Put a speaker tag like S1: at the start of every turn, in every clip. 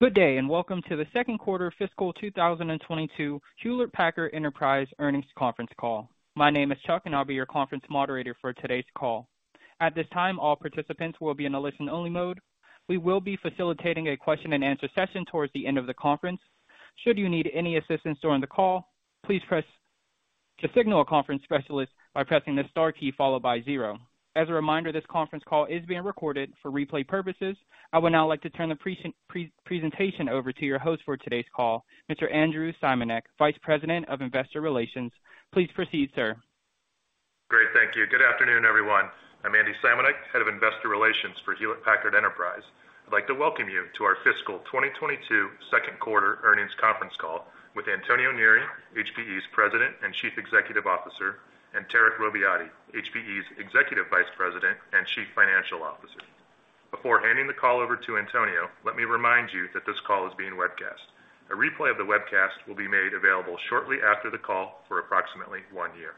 S1: Good day, and welcome to the second quarter fiscal 2022 Hewlett Packard Enterprise Earnings Conference Call. My name is Chuck, and I'll be your conference moderator for today's call. At this time, all participants will be in a listen-only mode. We will be facilitating a question-and-answer session towards the end of the conference. Should you need any assistance during the call, please press the star key followed by zero to signal a conference specialist. As a reminder, this conference call is being recorded for replay purposes. I would now like to turn the presentation over to your host for today's call, Mr. Andrew Simanek, Vice President of Investor Relations. Please proceed, sir.
S2: Great. Thank you. Good afternoon, everyone. I'm Andy Simanek, Head of Investor Relations for Hewlett Packard Enterprise. I'd like to welcome you to our fiscal 2022 second quarter earnings conference call with Antonio Neri, HPE's President and Chief Executive Officer, and Tarek Robbiati, HPE's Executive Vice President and Chief Financial Officer. Before handing the call over to Antonio, let me remind you that this call is being webcast. A replay of the webcast will be made available shortly after the call for approximately one year.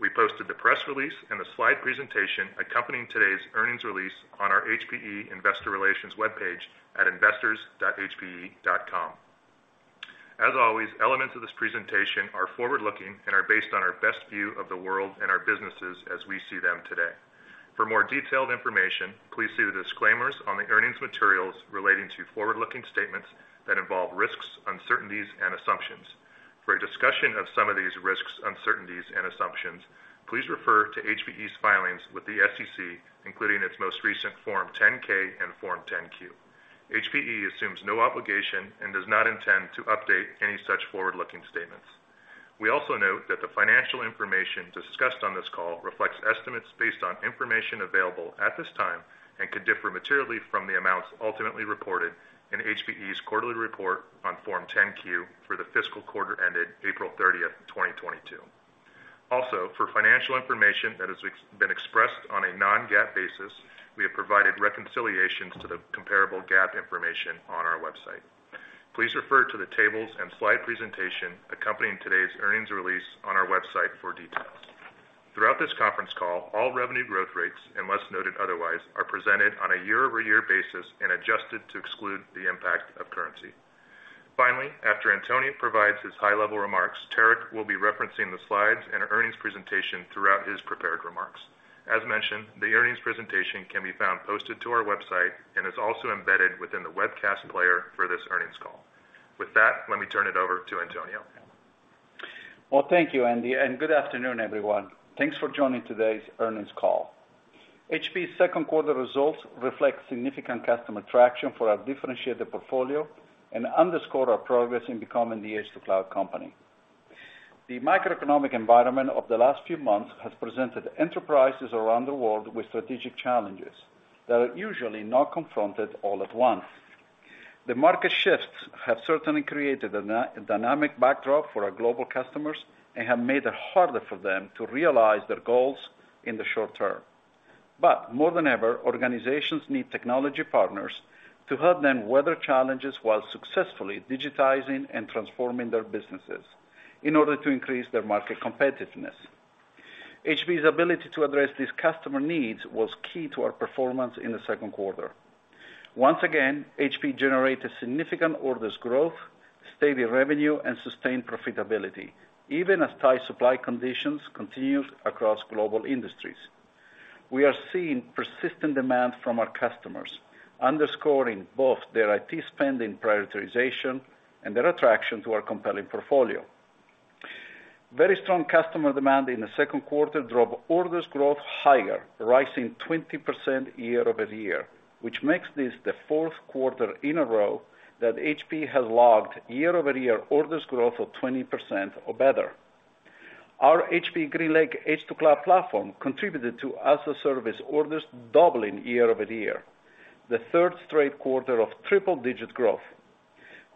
S2: We posted the press release and the slide presentation accompanying today's earnings release on our HPE investor relations webpage at investors.hpe.com. As always, elements of this presentation are forward-looking and are based on our best view of the world and our businesses as we see them today. For more detailed information, please see the disclaimers on the earnings materials relating to forward-looking statements that involve risks, uncertainties and assumptions. For a discussion of some of these risks, uncertainties and assumptions, please refer to HPE's filings with the SEC, including its most recent Form 10-K and Form 10-Q. HPE assumes no obligation and does not intend to update any such forward-looking statements. We also note that the financial information discussed on this call reflects estimates based on information available at this time and could differ materially from the amounts ultimately reported in HPE's quarterly report on Form 10-Q for the fiscal quarter ended April 30, 2022. Also, for financial information that has been expressed on a non-GAAP basis, we have provided reconciliations to the comparable GAAP information on our website. Please refer to the tables and slide presentation accompanying today's earnings release on our website for details. Throughout this conference call, all revenue growth rates, unless noted otherwise, are presented on a year-over-year basis and adjusted to exclude the impact of currency. Finally, after Antonio provides his high level remarks, Tarek will be referencing the slides and earnings presentation throughout his prepared remarks. As mentioned, the earnings presentation can be found posted to our website and is also embedded within the webcast player for this earnings call. With that, let me turn it over to Antonio.
S3: Well, thank you, Andy, and good afternoon, everyone. Thanks for joining today's earnings call. HPE's second quarter results reflect significant customer traction for our differentiated portfolio and underscore our progress in becoming the edge-to-cloud company. The macroeconomic environment of the last few months has presented enterprises around the world with strategic challenges that are usually not confronted all at once. The market shifts have certainly created a dynamic backdrop for our global customers and have made it harder for them to realize their goals in the short term. More than ever, organizations need technology partners to help them weather challenges while successfully digitizing and transforming their businesses in order to increase their market competitiveness. HPE's ability to address these customer needs was key to our performance in the second quarter. Once again, HPE generated significant orders growth, steady revenue, and sustained profitability, even as tight supply conditions continued across global industries. We are seeing persistent demand from our customers, underscoring both their IT spending prioritization and their attraction to our compelling portfolio. Very strong customer demand in the second quarter drove orders growth higher, rising 20% year-over-year, which makes this the fourth quarter in a row that HPE has logged year-over-year orders growth of 20% or better. Our HPE GreenLake edge-to-cloud platform contributed to as-a-service orders doubling year-over-year, the third straight quarter of triple-digit growth.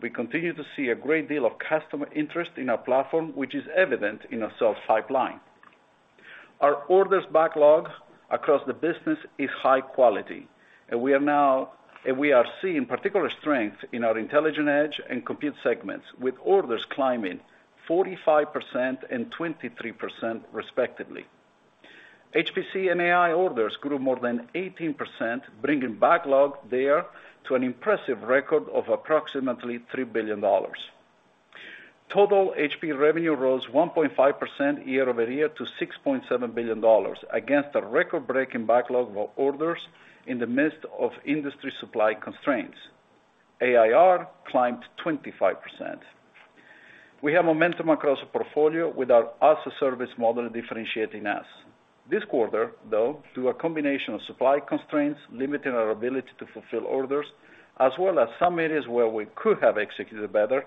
S3: We continue to see a great deal of customer interest in our platform, which is evident in our sales pipeline. Our orders backlog across the business is high quality, and we are seeing particular strength in our intelligent edge and compute segments, with orders climbing 45% and 23% respectively. HPC and AI orders grew more than 18%, bringing backlog there to an impressive record of approximately $3 billion. Total HPE revenue rose 1.5% year over year to $6.7 billion against a record-breaking backlog of orders in the midst of industry supply constraints. ARR climbed 25%. We have momentum across the portfolio with our as-a-service model differentiating us. This quarter, though, through a combination of supply constraints limiting our ability to fulfill orders, as well as some areas where we could have executed better,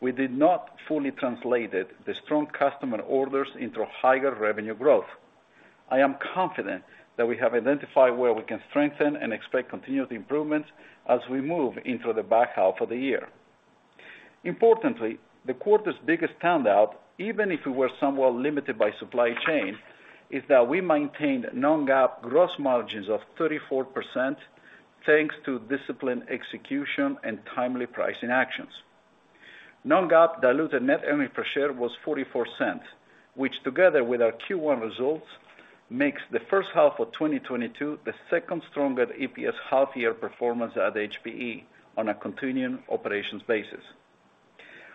S3: we did not fully translate it, the strong customer orders into higher revenue growth. I am confident that we have identified where we can strengthen and expect continued improvements as we move into the back half of the year. Importantly, the quarter's biggest standout, even if we were somewhat limited by supply chain, is that we maintained non-GAAP gross margins of 34%, thanks to disciplined execution and timely pricing actions. Non-GAAP diluted net earnings per share was $0.44, which together with our Q1 results, makes the first half of 2022, the second strongest EPS half year performance at HPE on a continuing operations basis.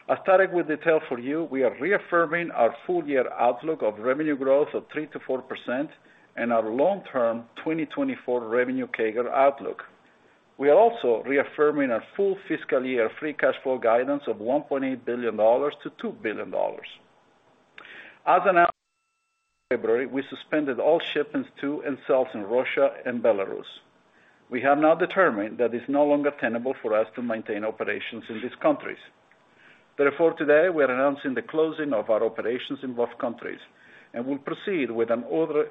S3: As Tarek would detail for you, we are reaffirming our full year outlook of revenue growth of 3%-4% and our long-term 2024 revenue CAGR outlook. We are also reaffirming our full fiscal year free cash flow guidance of $1.8 billion-$2 billion. As announced in February, we suspended all shipments to and sales in Russia and Belarus. We have now determined that it's no longer tenable for us to maintain operations in these countries. Therefore today, we are announcing the closing of our operations in both countries and will proceed with an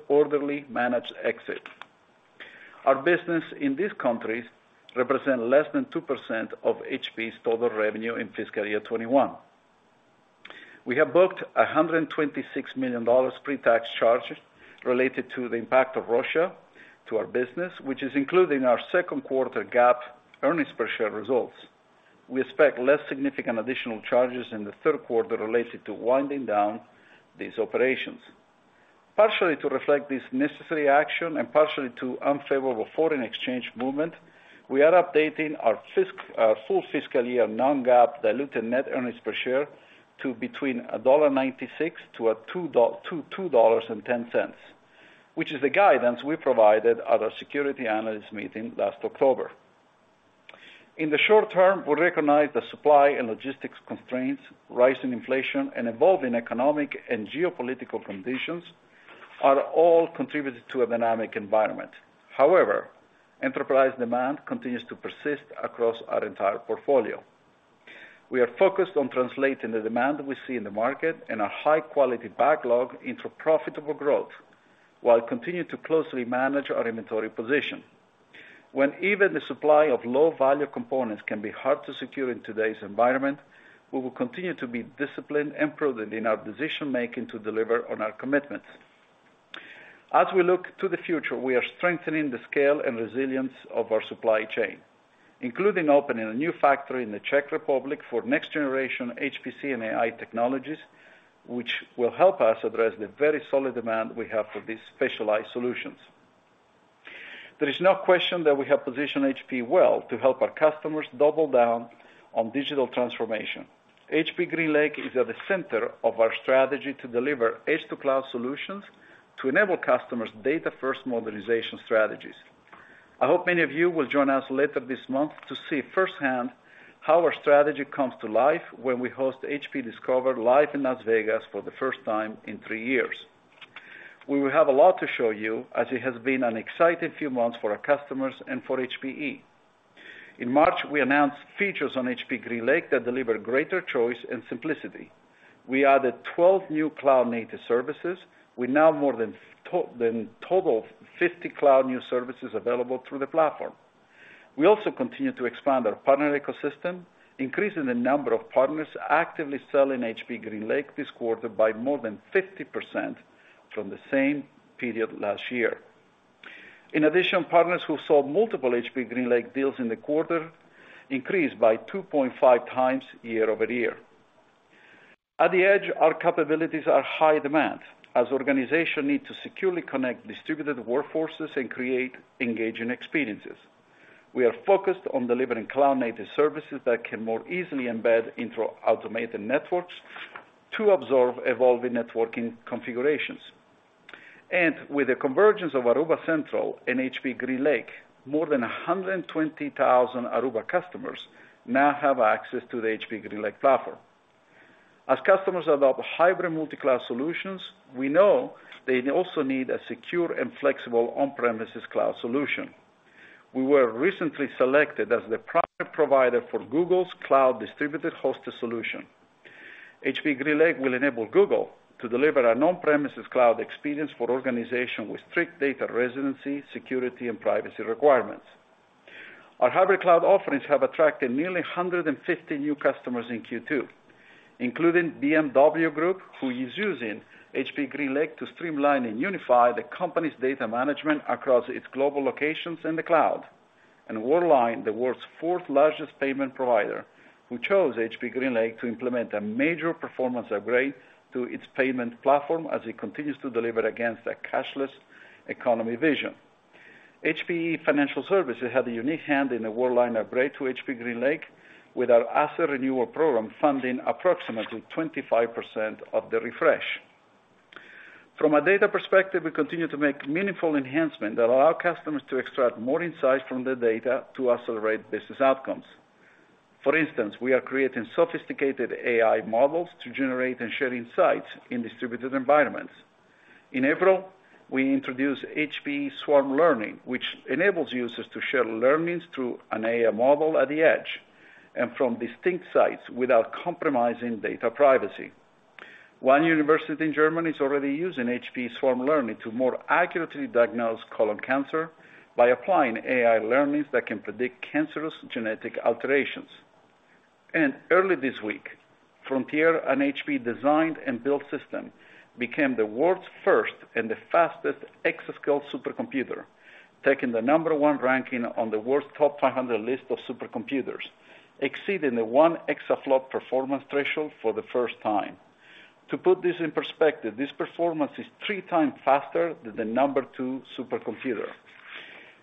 S3: orderly managed exit. Our business in these countries represent less than 2% of HPE's total revenue in fiscal year 2021. We have booked $126 million pre-tax charges related to the impact of Russia to our business, which is including our second quarter GAAP earnings per share results. We expect less significant additional charges in the third quarter related to winding down these operations. Partially to reflect this necessary action and partially to unfavorable foreign exchange movement, we are updating our full fiscal year non-GAAP diluted net earnings per share to between $1.96-$2.10, which is the guidance we provided at our Securities Analyst Meeting last October. In the short term, we recognize the supply and logistics constraints, rise in inflation, and evolving economic and geopolitical conditions are all contributed to a dynamic environment. However, enterprise demand continues to persist across our entire portfolio. We are focused on translating the demand we see in the market and a high quality backlog into profitable growth while continuing to closely manage our inventory position. When even the supply of low value components can be hard to secure in today's environment, we will continue to be disciplined and prudent in our decision-making to deliver on our commitments. As we look to the future, we are strengthening the scale and resilience of our supply chain, including opening a new factory in the Czech Republic for next generation HPC and AI technologies, which will help us address the very solid demand we have for these specialized solutions. There is no question that we have positioned HPE well to help our customers double down on digital transformation. HPE GreenLake is at the center of our strategy to deliver edge-to-cloud solutions to enable customers' data first mobilization strategies. I hope many of you will join us later this month to see firsthand how our strategy comes to life when we host HPE Discover live in Las Vegas for the first time in three years. We will have a lot to show you as it has been an exciting few months for our customers and for HPE. In March, we announced features on HPE GreenLake that deliver greater choice and simplicity. We added 12 new cloud-native services with now more than total of 50 new cloud services available through the platform. We also continue to expand our partner ecosystem, increasing the number of partners actively selling HPE GreenLake this quarter by more than 50% from the same period last year. In addition, partners who sold multiple HPE GreenLake deals in the quarter increased by 2.5 times year-over-year. At the Edge, our capabilities are in high demand as organizations need to securely connect distributed workforces and create engaging experiences. We are focused on delivering cloud-native services that can more easily embed into automated networks to absorb evolving networking configurations. With the convergence of Aruba Central and HPE GreenLake, more than 120,000 Aruba customers now have access to the HPE GreenLake platform. As customers adopt hybrid multi-cloud solutions, we know they also need a secure and flexible on-premises cloud solution. We were recently selected as the private provider for Google's cloud distributed hosted solution. HPE GreenLake will enable Google to deliver an on-premises cloud experience for organizations with strict data residency, security, and privacy requirements. Our hybrid cloud offerings have attracted nearly 150 new customers in Q2, including BMW Group, who is using HPE GreenLake to streamline and unify the company's data management across its global locations in the cloud. Worldline, the world's fourth-largest payment provider, who chose HPE GreenLake to implement a major performance upgrade to its payment platform as it continues to deliver against a cashless economy vision. HPE Financial Services had a unique hand in the Worldline upgrade to HPE GreenLake with our asset renewal program funding approximately 25% of the refresh. From a data perspective, we continue to make meaningful enhancements that allow customers to extract more insights from their data to accelerate business outcomes. For instance, we are creating sophisticated AI models to generate and share insights in distributed environments. In April, we introduced HPE Swarm Learning, which enables users to share learnings through an AI model at the edge and from distinct sites without compromising data privacy. One university in Germany is already using HPE Swarm Learning to more accurately diagnose colon cancer by applying AI learnings that can predict cancerous genetic alterations. Early this week, Frontier and HPE designed and built system became the world's first and the fastest exascale supercomputer, taking the number one ranking on the world's top five hundred list of supercomputers, exceeding the one exaflop performance threshold for the first time. To put this in perspective, this performance is three times faster than the number two supercomputer.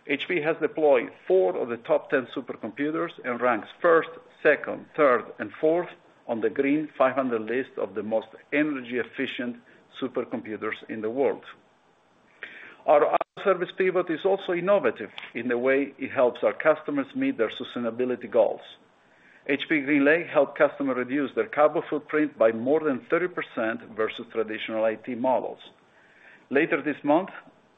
S3: HPE has deployed four of the top ten supercomputers and ranks first, second, third, and fourth on the Green500 list of the most energy-efficient supercomputers in the world. Our service pivot is also innovative in the way it helps our customers meet their sustainability goals. HPE GreenLake helps customers reduce their carbon footprint by more than 30% versus traditional IT models. Later this month,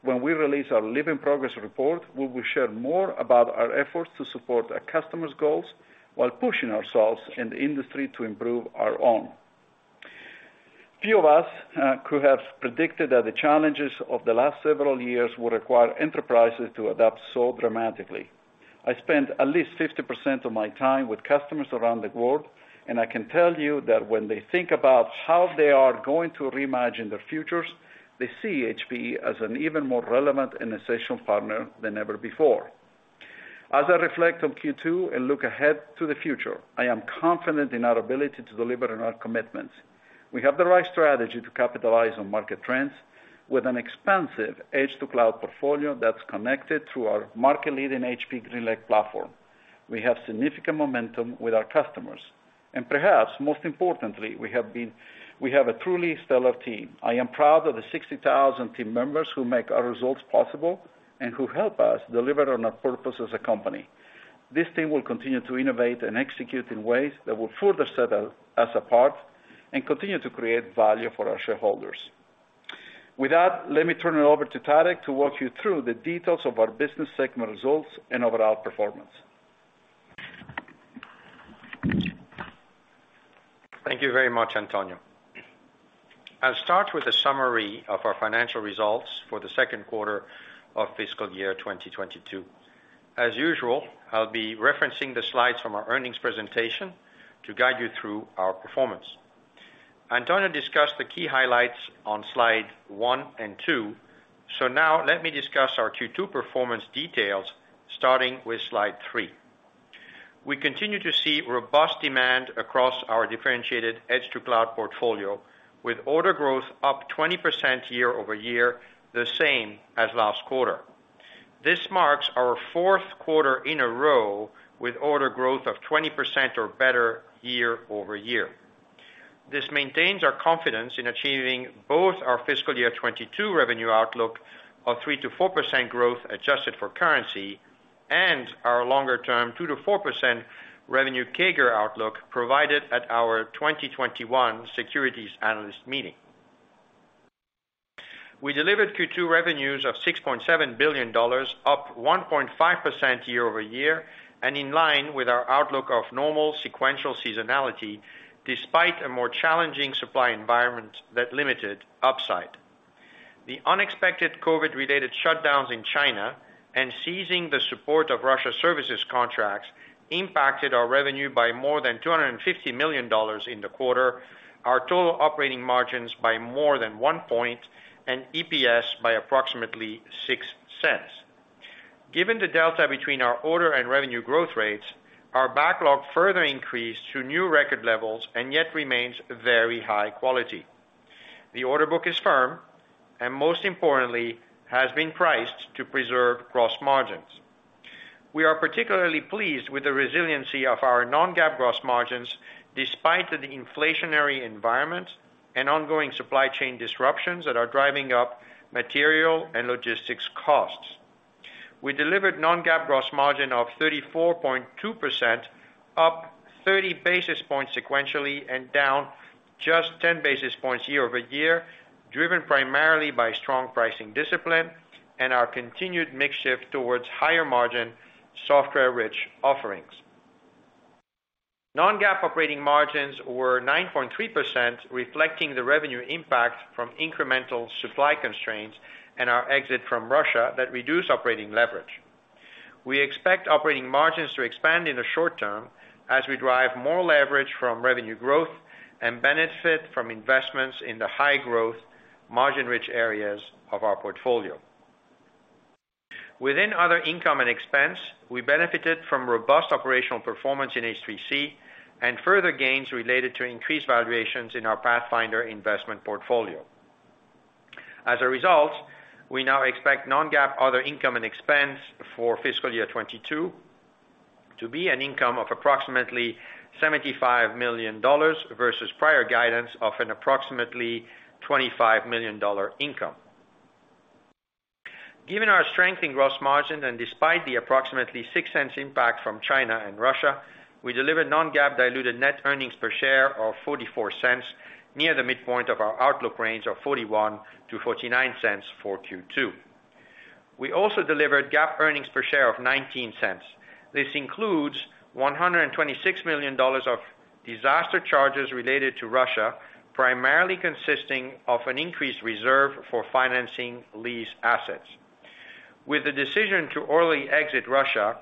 S3: when we release our Living Progress report, we will share more about our efforts to support our customers' goals while pushing ourselves and the industry to improve our own. Few of us could have predicted that the challenges of the last several years would require enterprises to adapt so dramatically. I spend at least 50% of my time with customers around the world, and I can tell you that when they think about how they are going to reimagine their futures, they see HPE as an even more relevant and essential partner than ever before. As I reflect on Q2 and look ahead to the future, I am confident in our ability to deliver on our commitments. We have the right strategy to capitalize on market trends with an expansive edge to cloud portfolio that's connected through our market-leading HPE GreenLake platform. We have significant momentum with our customers. Perhaps most importantly, we have a truly stellar team. I am proud of the 60,000 team members who make our results possible and who help us deliver on our purpose as a company. This team will continue to innovate and execute in ways that will further set us apart and continue to create value for our shareholders. With that, let me turn it over to Tarek to walk you through the details of our business segment results and overall performance.
S4: Thank you very much, Antonio. I'll start with a summary of our financial results for the second quarter of fiscal year 2022. As usual, I'll be referencing the slides from our earnings presentation to guide you through our performance. Antonio discussed the key highlights on slide one and two, so now let me discuss our Q2 performance details starting with slide three. We continue to see robust demand across our differentiated edge to cloud portfolio, with order growth up 20% year-over-year, the same as last quarter. This marks our fourth quarter in a row with order growth of 20% or better year-over-year. This maintains our confidence in achieving both our fiscal year 2022 revenue outlook of 3%-4% growth adjusted for currency and our longer-term 2%-4% revenue CAGR outlook provided at our 2021 securities analyst meeting. We delivered Q2 revenues of $6.7 billion, up 1.5% year-over-year, and in line with our outlook of normal sequential seasonality, despite a more challenging supply environment that limited upside. The unexpected COVID-related shutdowns in China and ceasing the support of Russia services contracts impacted our revenue by more than $250 million in the quarter, our total operating margins by more than one point, and EPS by approximately $0.06. Given the delta between our order and revenue growth rates, our backlog further increased to new record levels and yet remains very high quality. The order book is firm, and most importantly, has been priced to preserve gross margins. We are particularly pleased with the resiliency of our non-GAAP gross margins, despite the inflationary environment and ongoing supply chain disruptions that are driving up material and logistics costs. We delivered non-GAAP gross margin of 34.2%, up 30 basis points sequentially and down just 10 basis points year over year, driven primarily by strong pricing discipline and our continued mix shift towards higher margin software-rich offerings. Non-GAAP operating margins were 9.3%, reflecting the revenue impact from incremental supply constraints and our exit from Russia that reduced operating leverage. We expect operating margins to expand in the short term as we drive more leverage from revenue growth and benefit from investments in the high growth, margin-rich areas of our portfolio. Within other income and expense, we benefited from robust operational performance in H3C and further gains related to increased valuations in our Pathfinder investment portfolio. As a result, we now expect non-GAAP other income and expense for fiscal year 2022 to be an income of approximately $75 million versus prior guidance of an approximately $25 million income. Given our strength in gross margin and despite the approximately $0.06 impact from China and Russia, we delivered non-GAAP diluted net earnings per share of $0.44, near the midpoint of our outlook range of $0.41-$0.49 for Q2. We also delivered GAAP earnings per share of $0.19. This includes $126 million of disaster charges related to Russia, primarily consisting of an increased reserve for financing lease assets. With the decision to early exit Russia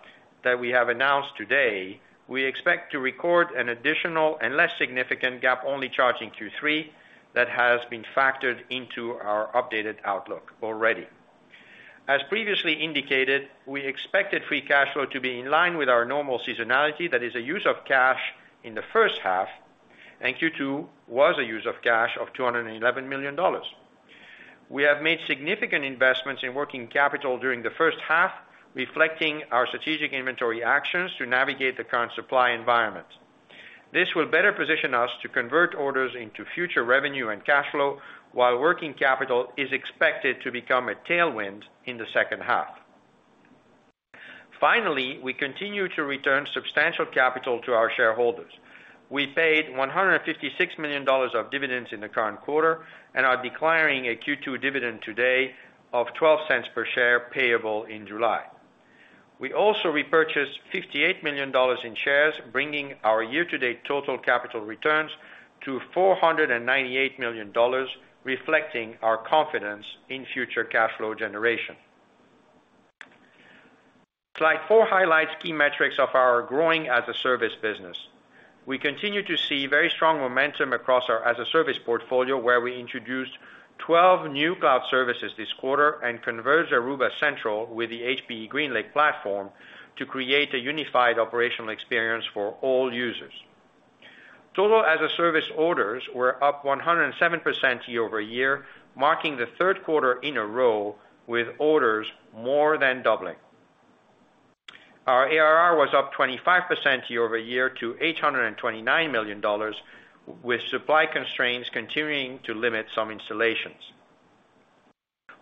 S4: that we have announced today, we expect to record an additional and less significant GAAP only charge in Q3 that has been factored into our updated outlook already. As previously indicated, we expected free cash flow to be in line with our normal seasonality, that is a use of cash in the first half, and Q2 was a use of cash of $211 million. We have made significant investments in working capital during the first half, reflecting our strategic inventory actions to navigate the current supply environment. This will better position us to convert orders into future revenue and cash flow while working capital is expected to become a tailwind in the second half. Finally, we continue to return substantial capital to our shareholders. We paid $156 million of dividends in the current quarter and are declaring a Q2 dividend today of $0.12 per share payable in July. We also repurchased $58 million in shares, bringing our year-to-date total capital returns to $498 million, reflecting our confidence in future cash flow generation. Slide four highlights key metrics of our growing as-a-service business. We continue to see very strong momentum across our as-a-service portfolio, where we introduced 12 new cloud services this quarter and converged Aruba Central with the HPE GreenLake platform to create a unified operational experience for all users. Total as-a-service orders were up 107% year-over-year, marking the third quarter in a row with orders more than doubling. Our ARR was up 25% year-over-year to $829 million, with supply constraints continuing to limit some installations.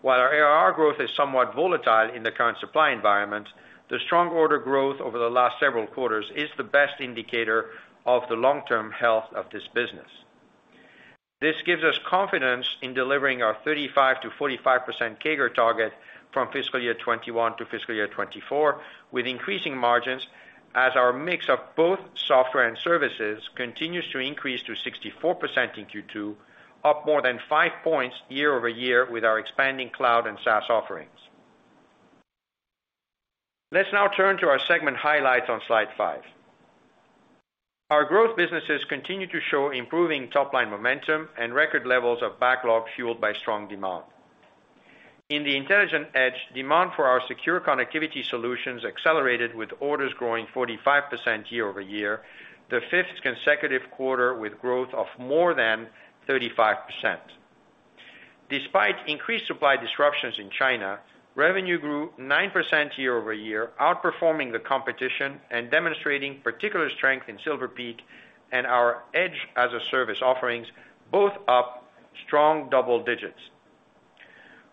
S4: While our ARR growth is somewhat volatile in the current supply environment, the strong order growth over the last several quarters is the best indicator of the long-term health of this business. This gives us confidence in delivering our 35%-45% CAGR target from fiscal year 2021 to fiscal year 2024, with increasing margins as our mix of both software and services continues to increase to 64% in Q2, up more than five points year-over-year with our expanding cloud and SaaS offerings. Let's now turn to our segment highlights on slide five. Our growth businesses continue to show improving top-line momentum and record levels of backlog fueled by strong demand. In the Intelligent Edge, demand for our secure connectivity solutions accelerated with orders growing 45% year-over-year, the 5th consecutive quarter with growth of more than 35%. Despite increased supply disruptions in China, revenue grew 9% year-over-year, outperforming the competition and demonstrating particular strength in Silver Peak and our edge as-a-service offerings, both up strong double digits.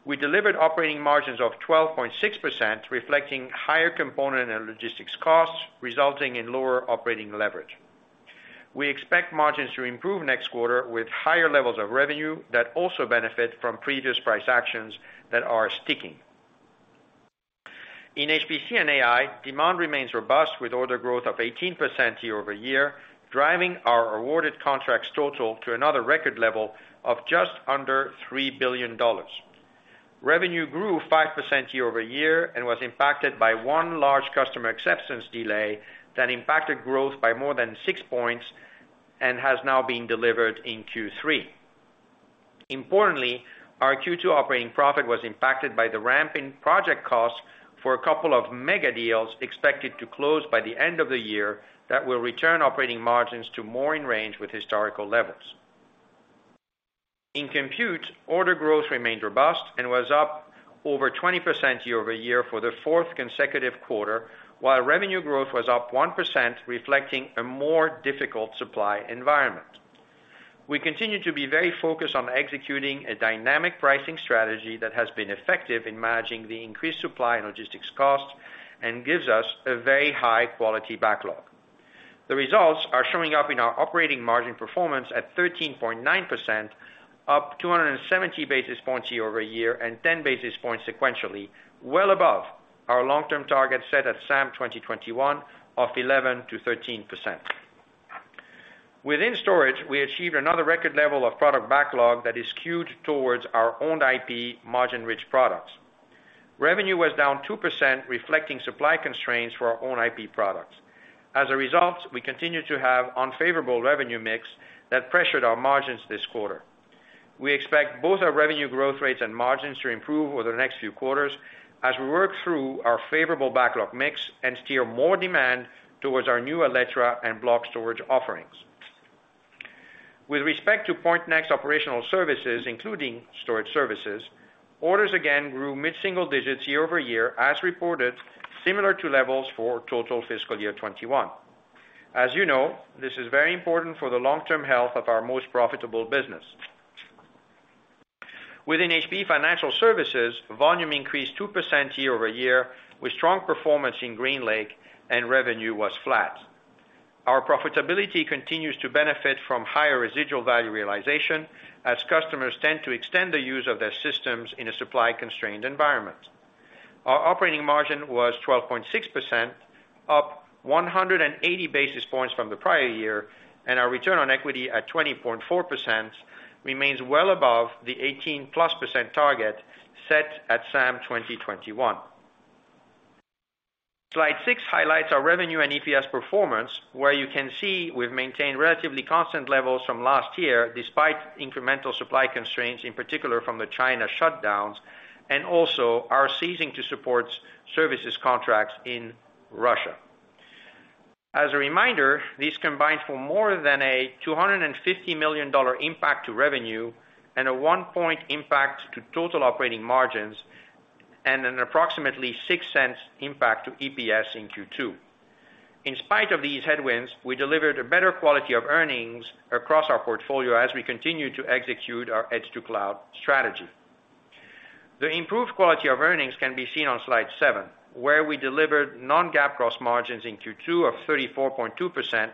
S4: We delivered operating margins of 12.6%, reflecting higher component and logistics costs, resulting in lower operating leverage. We expect margins to improve next quarter with higher levels of revenue that also benefit from previous price actions that are sticking. In HPC and AI, demand remains robust with order growth of 18% year-over-year, driving our awarded contracts total to another record level of just under $3 billion. Revenue grew 5% year-over-year and was impacted by one large customer acceptance delay that impacted growth by more than six points and has now been delivered in Q3. Importantly, our Q2 operating profit was impacted by the ramp in project costs for a couple of mega deals expected to close by the end of the year that will return operating margins to more in range with historical levels. In compute, order growth remained robust and was up over 20% year-over-year for the fourth consecutive quarter, while revenue growth was up 1%, reflecting a more difficult supply environment. We continue to be very focused on executing a dynamic pricing strategy that has been effective in managing the increased supply and logistics costs and gives us a very high quality backlog. The results are showing up in our operating margin performance at 13.9%, up 270 basis points year-over-year and 10 basis points sequentially, well above our long-term target set at SAM 2021 of 11%-13%. Within storage, we achieved another record level of product backlog that is skewed towards our own IP margin-rich products. Revenue was down 2%, reflecting supply constraints for our own IP products. As a result, we continue to have unfavorable revenue mix that pressured our margins this quarter. We expect both our revenue growth rates and margins to improve over the next few quarters as we work through our favorable backlog mix and steer more demand towards our new Alletra and block storage offerings. With respect to Pointnext operational services, including storage services, orders again grew mid-single digits year-over-year as reported similar to levels for total fiscal year 2021. As you know, this is very important for the long-term health of our most profitable business. Within HPE Financial Services, volume increased 2% year-over-year with strong performance in GreenLake and revenue was flat. Our profitability continues to benefit from higher residual value realization as customers tend to extend the use of their systems in a supply constrained environment. Our operating margin was 12.6%. Up 180 basis points from the prior year and our return on equity at 20.4% remains well above the 18%+ target set at SAM 2021. Slide six highlights our revenue and EPS performance, where you can see we've maintained relatively constant levels from last year, despite incremental supply constraints, in particular from the China shutdowns and also our ceasing to support services contracts in Russia. As a reminder, these combined for more than a $250 million impact to revenue and a one-point impact to total operating margins and an approximately $0.06 impact to EPS in Q2. In spite of these headwinds, we delivered a better quality of earnings across our portfolio as we continue to execute our edge-to-cloud strategy. The improved quality of earnings can be seen on slide seven, where we delivered non-GAAP gross margins in Q2 of 34.2%,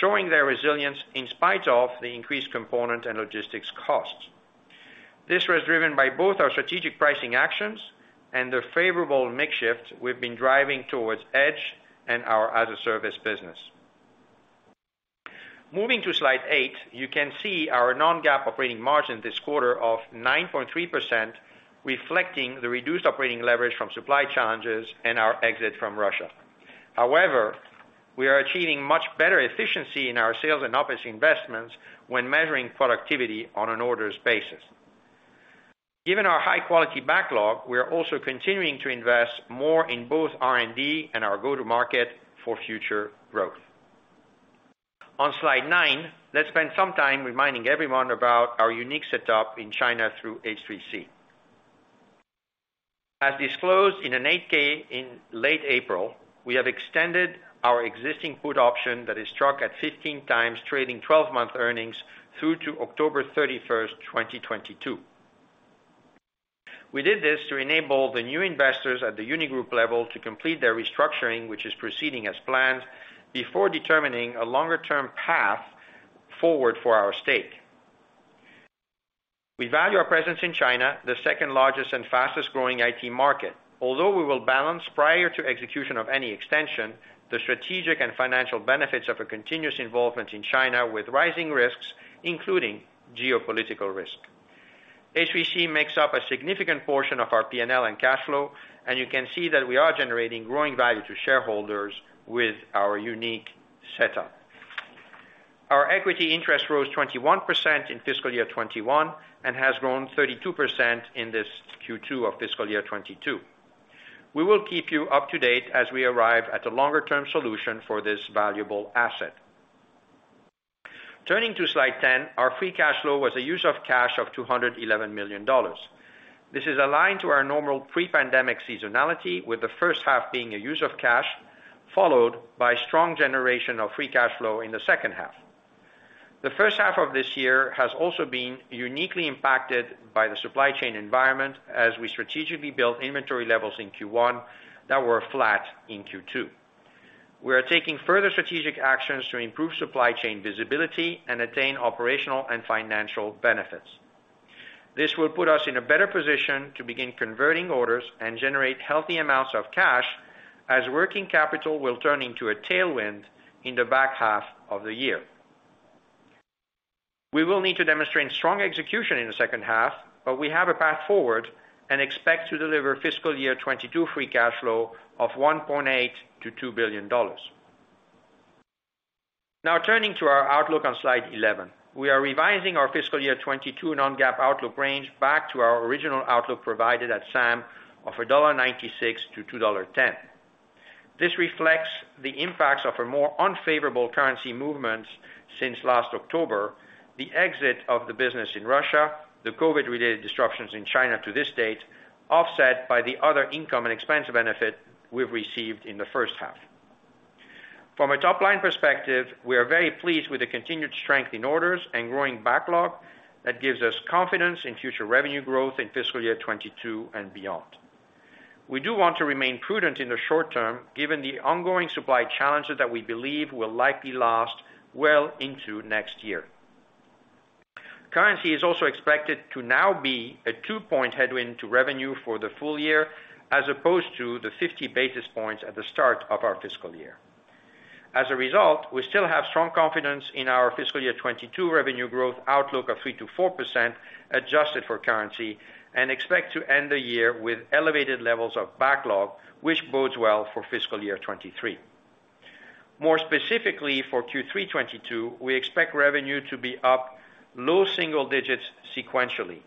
S4: showing their resilience in spite of the increased component and logistics costs. This was driven by both our strategic pricing actions and the favorable mix shift we've been driving towards Edge and our as-a-service business. Moving to slide eight, you can see our non-GAAP operating margin this quarter of 9.3%, reflecting the reduced operating leverage from supply challenges and our exit from Russia. However, we are achieving much better efficiency in our sales and OpEx investments when measuring productivity on an orders basis. Given our high quality backlog, we are also continuing to invest more in both R&D and our go-to market for future growth. On slide nine, let's spend some time reminding everyone about our unique setup in China through H3C. As disclosed in an 8-K in late April, we have extended our existing put option that is struck at 15 times trading 12-month earnings through to October 31, 2022. We did this to enable the new investors at the Tsinghua Unigroup level to complete their restructuring, which is proceeding as planned, before determining a longer-term path forward for our stake. We value our presence in China, the second largest and fastest growing IT market, although we will balance prior to execution of any extension, the strategic and financial benefits of a continuous involvement in China with rising risks, including geopolitical risk. H3C makes up a significant portion of our P&L and cash flow, and you can see that we are generating growing value to shareholders with our unique setup. Our equity interest rose 21% in fiscal year 2021 and has grown 32% in this Q2 of fiscal year 2022. We will keep you up to date as we arrive at a longer-term solution for this valuable asset. Turning to slide 10, our free cash flow was a use of cash of $211 million. This is aligned to our normal pre-pandemic seasonality, with the first half being a use of cash, followed by strong generation of free cash flow in the second half. The first half of this year has also been uniquely impacted by the supply chain environment as we strategically built inventory levels in Q1 that were flat in Q2. We are taking further strategic actions to improve supply chain visibility and attain operational and financial benefits. This will put us in a better position to begin converting orders and generate healthy amounts of cash as working capital will turn into a tailwind in the back half of the year. We will need to demonstrate strong execution in the second half, but we have a path forward and expect to deliver fiscal year 2022 free cash flow of $1.8 billion-$2 billion. Now, turning to our outlook on slide 11. We are revising our fiscal year 2022 non-GAAP outlook range back to our original outlook provided at SAM of $1.96-$2.10. This reflects the impacts of a more unfavorable currency movements since last October, the exit of the business in Russia, the COVID-related disruptions in China to this date, offset by the other income and expense benefit we've received in the first half. From a top line perspective, we are very pleased with the continued strength in orders and growing backlog that gives us confidence in future revenue growth in fiscal year 2022 and beyond. We do want to remain prudent in the short term, given the ongoing supply challenges that we believe will likely last well into next year. Currency is also expected to now be a 2-point headwind to revenue for the full year, as opposed to the 50 basis points at the start of our fiscal year. As a result, we still have strong confidence in our fiscal year 2022 revenue growth outlook of 3%-4% adjusted for currency and expect to end the year with elevated levels of backlog, which bodes well for fiscal year 2023. More specifically, for Q3 2022, we expect revenue to be up low single digits sequentially.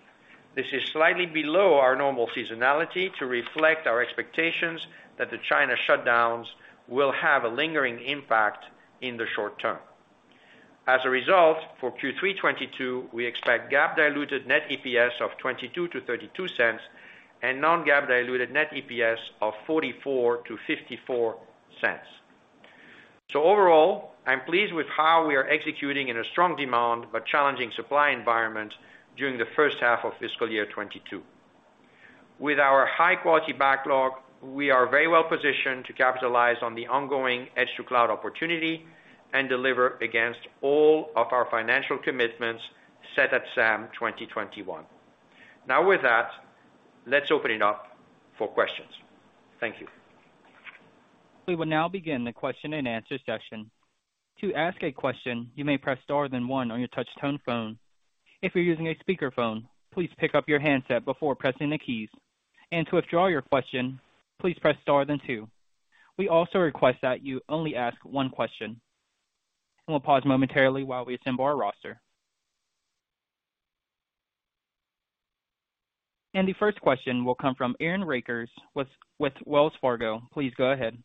S4: This is slightly below our normal seasonality to reflect our expectations that the China shutdowns will have a lingering impact in the short term. As a result, for Q3 2022, we expect GAAP diluted net EPS of $0.22-$0.32 and non-GAAP diluted net EPS of $0.44-$0.54. Overall, I'm pleased with how we are executing in a strong demand but challenging supply environment during the first half of fiscal year 2022. With our high quality backlog, we are very well positioned to capitalize on the ongoing edge to cloud opportunity and deliver against all of our financial commitments set at SAM 2021. Now with that, let's open it up for questions. Thank you.
S1: We will now begin the question and answer session. To ask a question, you may press star then one on your touchtone phone. If you're using a speakerphone, please pick up your handset before pressing the keys. To withdraw your question, please press star then two. We also request that you only ask one question. We'll pause momentarily while we assemble our roster. The first question will come from Aaron Rakers with Wells Fargo. Please go ahead.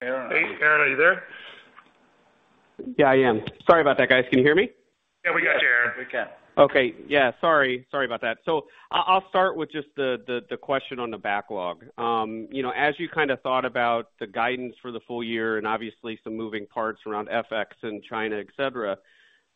S4: Aaron, are you there?
S5: Yeah, I am. Sorry about that, guys. Can you hear me?
S4: Yeah, we can, Aaron.
S1: We can.
S5: Okay. Yeah, sorry. Sorry about that. I'll start with just the question on the backlog. You know, as you kinda thought about the guidance for the full year and obviously SAM moving parts around FX and China, et cetera,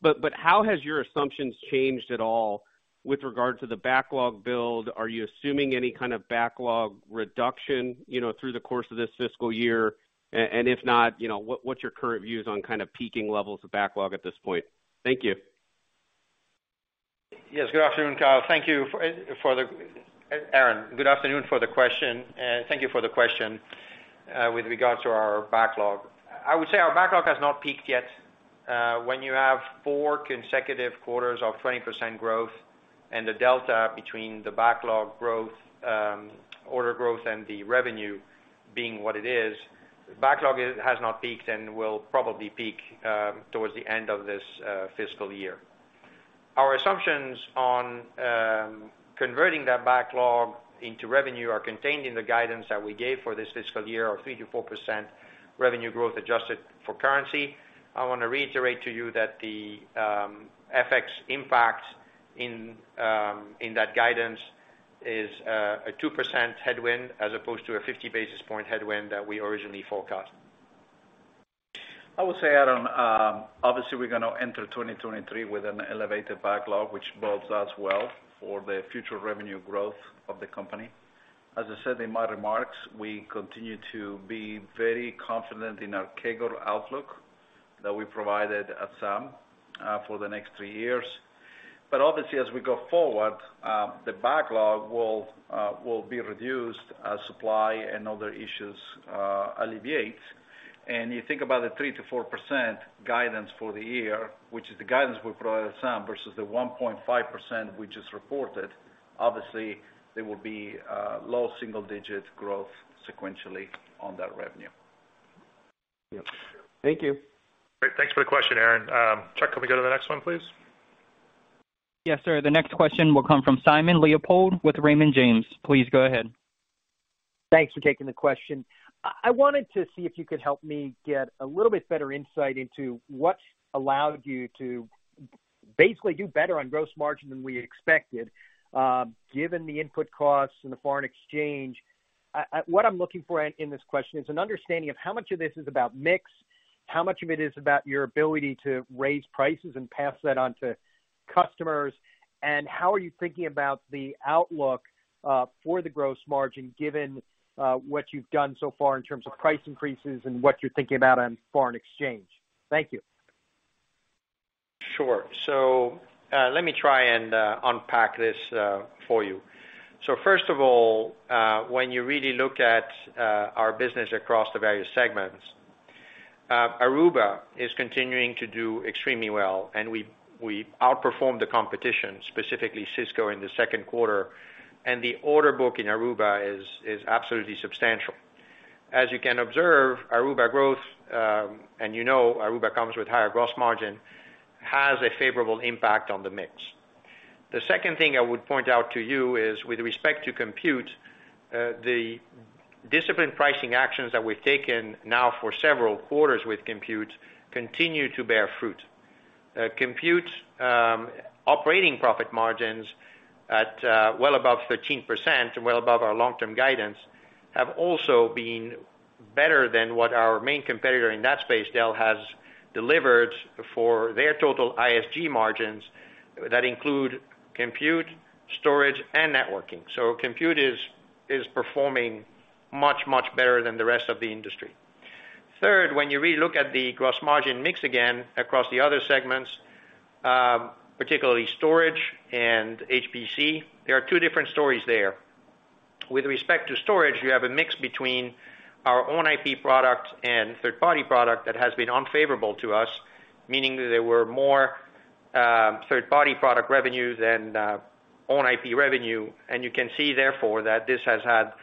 S5: but how has your assumptions changed at all with regard to the backlog build? Are you assuming any kind of backlog reduction, you know, through the course of this fiscal year? If not, you know, what's your current views on kind of peaking levels of backlog at this point? Thank you.
S4: Yes, Aaron, good afternoon for the question. Thank you for the question, with regards to our backlog. I would say our backlog has not peaked yet. When you have four consecutive quarters of 20% growth and the delta between the backlog growth, order growth and the revenue being what it is, the backlog has not peaked and will probably peak towards the end of this fiscal year. Our assumptions on converting that backlog into revenue are contained in the guidance that we gave for this fiscal year of 3%-4% revenue growth adjusted for currency. I wanna reiterate to you that the FX impact in that guidance is a 2% headwind as opposed to a 50 basis point headwind that we originally forecast. I would say, Aaron, obviously we're gonna enter 2023 with an elevated backlog, which bodes us well for the future revenue growth of the company. As I said in my remarks, we continue to be very confident in our CAGR outlook that we provided at SAM for the next three years. Obviously, as we go forward, the backlog will be reduced as supply and other issues alleviate. You think about the 3%-4% guidance for the year, which is the guidance we provided at SAM versus the 1.5% we just reported. Obviously, there will be low single-digit growth sequentially on that revenue.
S5: Thank you.
S4: Great. Thanks for the question, Aaron. Chuck, can we go to the next one, please?
S1: Yes, sir. The next question will come from Simon Leopold with Raymond James. Please go ahead.
S6: Thanks for taking the question. I wanted to see if you could help me get a little bit better insight into what allowed you to basically do better on gross margin than we expected, given the input costs and the foreign exchange. What I'm looking for in this question is an understanding of how much of this is about mix, how much of it is about your ability to raise prices and pass that on to customers, and how are you thinking about the outlook, for the gross margin, given, what you've done so far in terms of price increases and what you're thinking about on foreign exchange? Thank you.
S4: Sure. Let me try and unpack this for you. First of all, when you really look at our business across the various segments, Aruba is continuing to do extremely well, and we outperform the competition, specifically Cisco, in the second quarter. The order book in Aruba is absolutely substantial. As you can observe, Aruba growth, and you know Aruba comes with higher gross margin, has a favorable impact on the mix. The second thing I would point out to you is with respect to Compute, the disciplined pricing actions that we've taken now for several quarters with Compute continue to bear fruit. Compute operating profit margins at well above 13%, well above our long-term guidance, have also been better than what our main competitor in that space, Dell, has delivered for their total ISG margins that include Compute, storage, and networking. Compute is performing much better than the rest of the industry. Third, when you re-look at the gross margin mix again across the other segments, particularly storage and HPC, there are two different stories there. With respect to storage, you have a mix between our own IP product and third-party product that has been unfavorable to us, meaning that there were more third-party product revenue than own IP revenue, and you can see, therefore, that this has had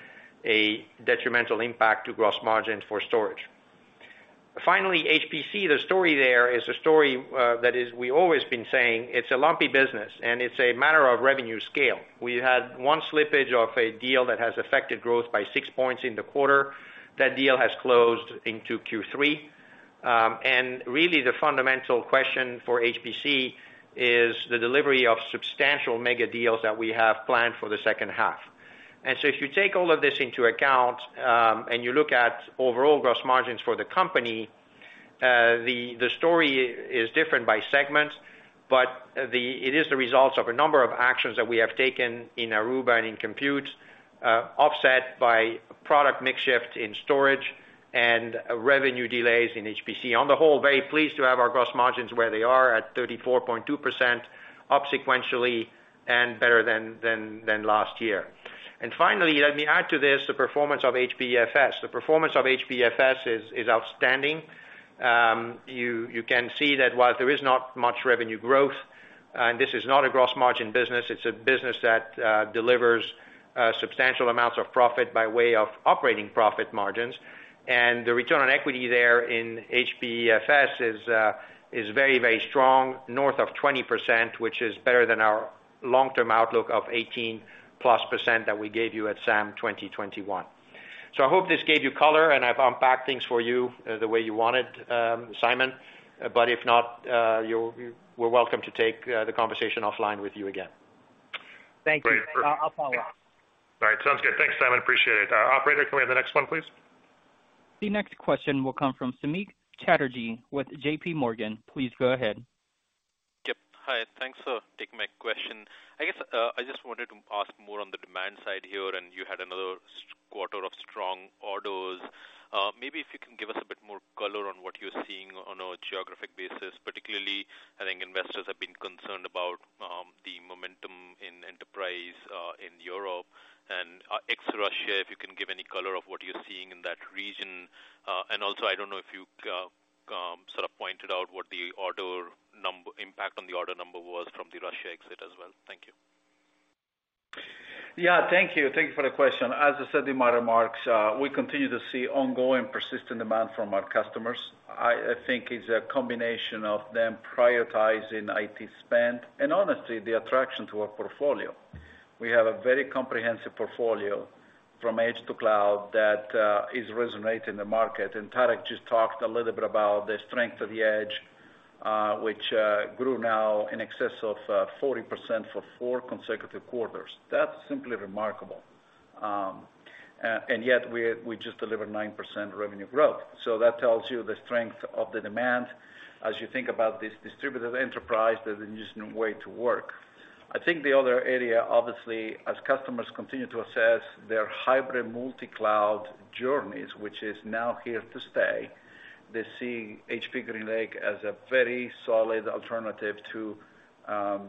S4: a detrimental impact to gross margin for storage. Finally, HPC, the story there is a story that we've always been saying it's a lumpy business and it's a matter of revenue scale. We had one slippage of a deal that has affected growth by 6% in the quarter. That deal has closed into Q3. Really the fundamental question for HPC is the delivery of substantial mega deals that we have planned for the second half. If you take all of this into account, and you look at overall gross margins for the company, the story is different by segment.
S3: It is the results of a number of actions that we have taken in Aruba and in Compute, offset by product mix shift in storage and revenue delays in HPC. On the whole, very pleased to have our gross margins where they are at 34.2% up sequentially and better than last year. Finally, let me add to this, the performance of HPE FS. The performance of HPE FS is outstanding. You can see that while there is not much revenue growth, and this is not a gross margin business, it's a business that delivers substantial amounts of profit by way of operating profit margins. The return on equity there in HPE FS is very, very strong, north of 20%, which is better than our long-term outlook of 18%+ that we gave you at SAM 2021. I hope this gave you color and I've unpacked things for you the way you wanted, Simon. If not, you're welcome to take the conversation offline with you again.
S6: Thank you.
S4: Great. Perfect.
S6: I'll follow up.
S4: All right. Sounds good. Thanks, Simon. Appreciate it. Operator, can we have the next one, please?
S1: The next question will come from Samik Chatterjee with JPMorgan. Please go ahead.
S7: Yep. Hi. Thanks for taking my question. I guess I just wanted to ask more on the demand side here, and you had another quarter of strong orders. Maybe if you can give us a bit more color on what you're seeing on a geographic basis, particularly, I think investors have been concerned about the momentum in enterprise in Europe and ex-Russia, if you can give any color of what you're seeing in that region. And also, I don't know if you sort of pointed out what the order number impact on the order number was from the Russia exit as well. Thank you.
S3: Yeah, thank you. Thank you for the question. As I said in my remarks, we continue to see ongoing persistent demand from our customers. I think it's a combination of them prioritizing IT spend and honestly, the attraction to our portfolio. We have a very comprehensive portfolio from Edge to cloud that is resonating in the market. Tarek just talked a little bit about the strength of the Edge, which grew now in excess of 40% for four consecutive quarters. That's simply remarkable. Yet we just delivered 9% revenue growth. That tells you the strength of the demand as you think about this distributed enterprise, the new way to work. I think the other area, obviously, as customers continue to assess their hybrid multi-cloud journeys, which is now here to stay, they see HPE GreenLake as a very solid alternative to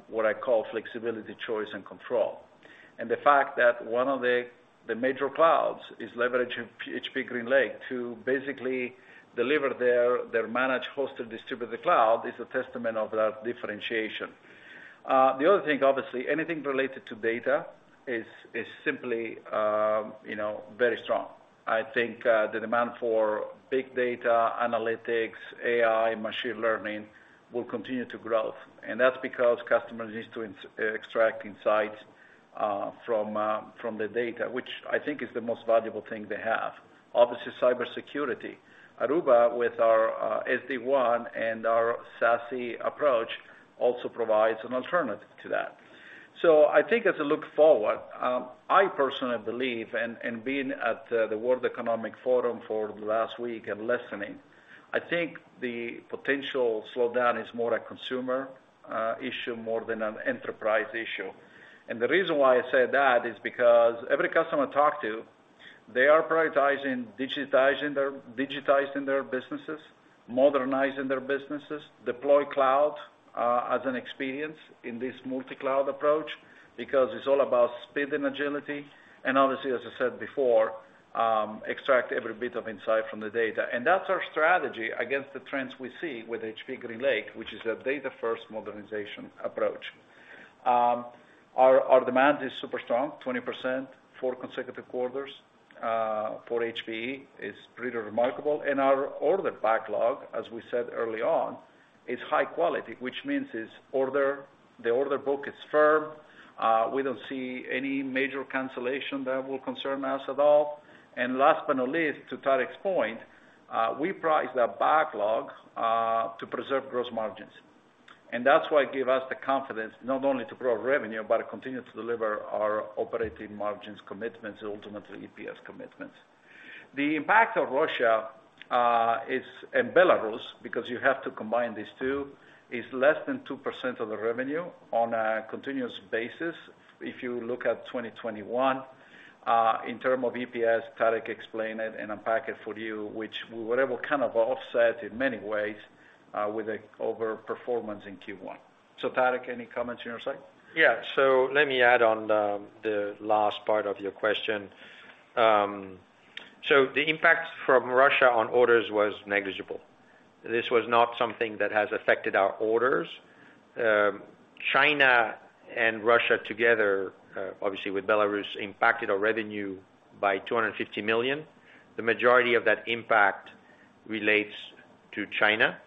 S3: what I call flexibility, choice, and control. The fact that one of the major clouds is leveraging HPE GreenLake to basically deliver their managed hosted distributed cloud is a testament of that differentiation. The other thing, obviously, anything related to data is simply, you know, very strong. I think the demand for big data, analytics, AI, machine learning will continue to grow. That's because customers need to extract insights from the data, which I think is the most valuable thing they have. Obviously, cybersecurity. Aruba with our SD-WAN and our SASE approach also provides an alternative to that. I think as I look forward, I personally believe and being at the World Economic Forum for the last week and listening, I think the potential slowdown is more a consumer issue more than an enterprise issue. The reason why I say that is because every customer I talk to, they are prioritizing digitizing their businesses, modernizing their businesses, deploy cloud as an experience in this multi-cloud approach, because it's all about speed and agility. Obviously, as I said before, extract every bit of insight from the data. That's our strategy against the trends we see with HPE GreenLake, which is a data-first modernization approach. Our demand is super strong, 20%, four consecutive quarters for HPE is pretty remarkable. Our order backlog, as we said early on, is high quality, which means the order book is firm. We don't see any major cancellation that will concern us at all. Last but not least, to Tarek's point, we price that backlog to preserve gross margins. That's why it give us the confidence not only to grow revenue, but continue to deliver our operating margins commitments, ultimately EPS commitments. The impact of Russia and Belarus, because you have to combine these two, is less than 2% of the revenue on a continuous basis. If you look at 2021, in terms of EPS, Tarek explained it and unpack it for you, which we were able kind of offset in many ways, with an overperformance in Q1. Tarek, any comments on your side?
S4: Yeah. Let me add on the last part of your question. The impact from Russia on orders was negligible. This was not something that has affected our orders. China and Russia together, obviously with Belarus, impacted our revenue by $250 million. The majority of that impact relates to China.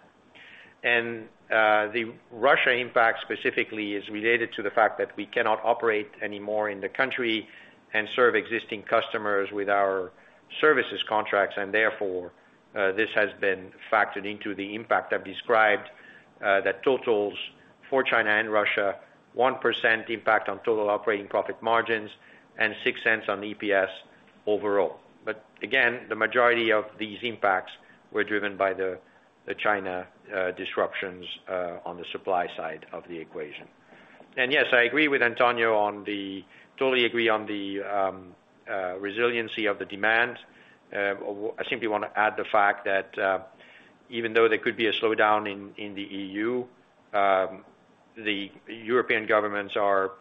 S4: The Russia impact specifically is related to the fact that we cannot operate anymore in the country and serve existing customers with our services contracts, and therefore, this has been factored into the impact I've described that totals for China and Russia, 1% impact on total operating profit margins and $0.06 on the EPS. Overall, again, the majority of these impacts were driven by the China disruptions on the supply side of the equation. Yes, I agree with Antonio. Totally agree on the resiliency of the demand. I simply wanna add the fact that even though there could be a slowdown in the EU, the European governments are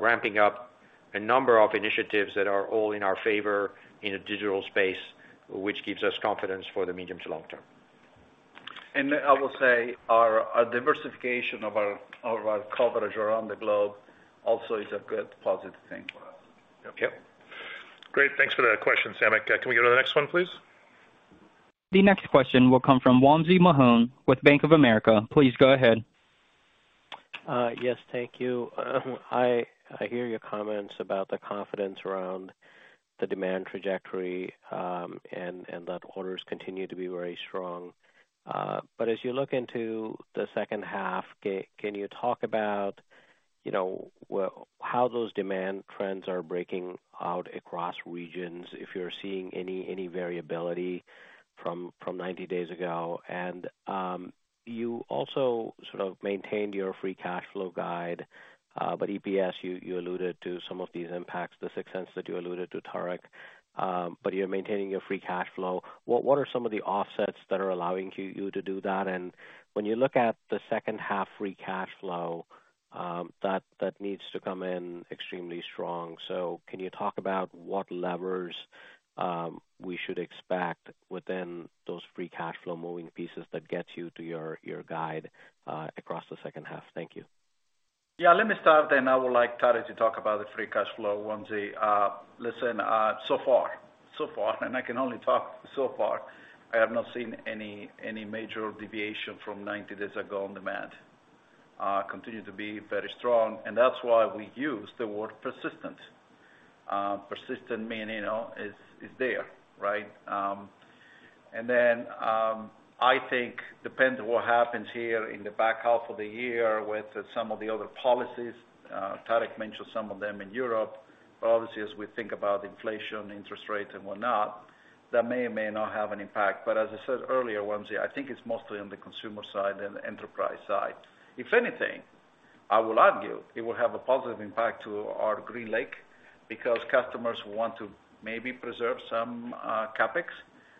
S4: ramping up a number of initiatives that are all in our favor in a digital space, which gives us confidence for the medium to long term.
S3: I will say our diversification of our coverage around the globe also is a good positive thing for us.
S4: Yep. Great. Thanks for the question, Samik. Can we go to the next one, please?
S1: The next question will come from Wamsi Mohan with Bank of America. Please go ahead.
S8: Yes, thank you. I hear your comments about the confidence around the demand trajectory, and that orders continue to be very strong. As you look into the second half, can you talk about, you know, how those demand trends are breaking out across regions, if you're seeing any variability from 90 days ago? You also sort of maintained your free cash flow guide, but EPS, you alluded to some of these impacts, the $0.06 that you alluded to, Tarek. You're maintaining your free cash flow. What are some of the offsets that are allowing you to do that? When you look at the second half free cash flow, that needs to come in extremely strong. Can you talk about what levers we should expect within those free cash flow moving pieces that gets you to your guide across the second half? Thank you.
S3: Yeah, let me start, then I would like Tarek to talk about the free cash flow, Wamsi. Listen, so far, and I can only talk so far, I have not seen any major deviation from 90 days ago on demand. Continue to be very strong, and that's why we use the word persistent. Persistent meaning, you know, it's there, right? I think depends on what happens here in the back half of the year with sanctions or other policies, Tarek mentioned sanctions on them in Europe. But obviously, as we think about inflation, interest rates, and whatnot, that may or may not have an impact. But as I said earlier, Wamsi, I think it's mostly on the consumer side than the enterprise side. If anything, I will argue it will have a positive impact to our GreenLake because customers want to maybe preserve CapEx,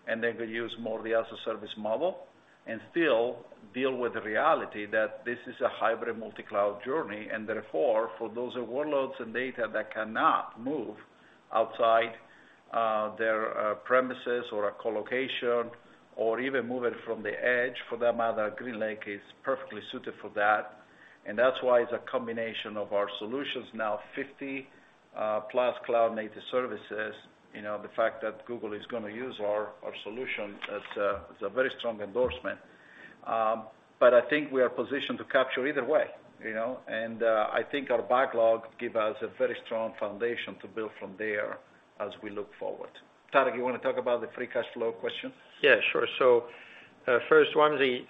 S3: and they could use more of the as-a-service model and still deal with the reality that this is a hybrid multi-cloud journey. Therefore, for those workloads and data that cannot move outside, their premises or a co-location, or even move it from the edge for that matter, GreenLake is perfectly suited for that. That's why it's a combination of our solutions now, 50+ cloud-native services. You know, the fact that Google is gonna use our solution as a very strong endorsement. But I think we are positioned to capture either way, you know. I think our backlog give us a very strong foundation to build from there as we look forward. Tarek, you wanna talk about the free cash flow question?
S4: Yeah, sure. First, Wamsi,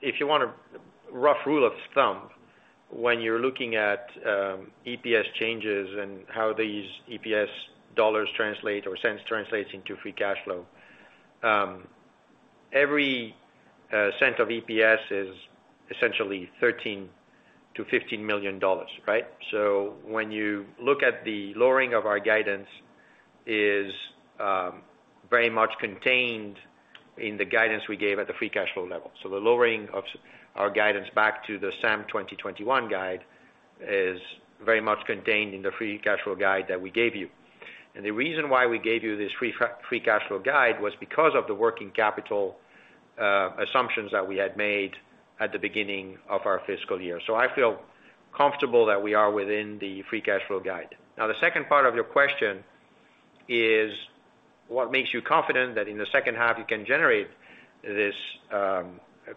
S4: if you want a rough rule of thumb when you're looking at EPS changes and how these EPS dollars translate or cents translates into free cash flow, every cent of EPS is essentially $13 million-$15 million, right? When you look at the lowering of our guidance is very much contained in the guidance we gave at the free cash flow level. The lowering of our guidance back to the SAM 2021 guide is very much contained in the free cash flow guide that we gave you. The reason why we gave you this free cash flow guide was because of the working capital assumptions that we had made at the beginning of our fiscal year. I feel comfortable that we are within the free cash flow guide. Now, the second part of your question is what makes you confident that in the second half you can generate this